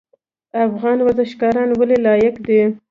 افغان ورزشکاران ولې لایق دي؟